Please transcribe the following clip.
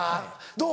どう？